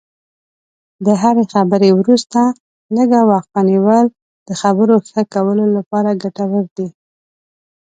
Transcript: د هرې خبرې وروسته لږه وقفه نیول د خبرو ښه کولو لپاره ګټور دي.